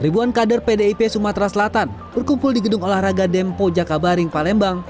ribuan kader pdip sumatera selatan berkumpul di gedung olahraga dempo jakabaring palembang